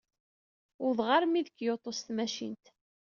Uwḍeɣ armi d Kyoto s tmacint.